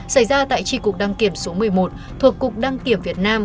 xảy ra tại tri cục đăng kiểm số một mươi một thuộc cục đăng kiểm việt nam